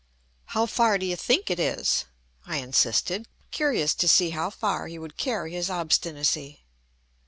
"How far do you think it is?" I insisted, curious to see how far he would carry his obstinacy.